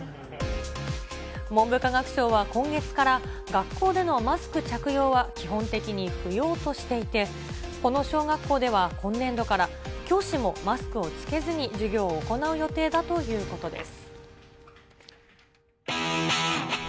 文部科学省は今月から学校でのマスク着用は基本的に不要としていて、この小学校では今年度から、教師もマスクを着けずに授業を行う予定だということです。